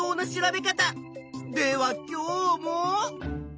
では今日も。